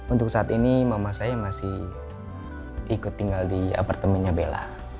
untuk saat ini mama saya masih ikut tinggal di apartemennya bella